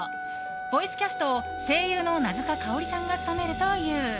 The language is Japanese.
ボイスキャストを声優の名塚佳織さんが務めるという。